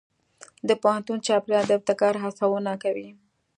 د پوهنتون چاپېریال د ابتکار هڅونه کوي.